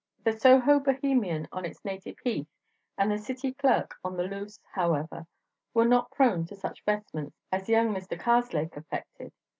The Sohobohemian on its native heath and the City clerk on the loose, however, were not prone to such vestments as young Mr. Karslake affected.